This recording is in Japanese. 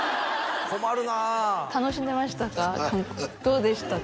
困るなあ楽しんでましたか？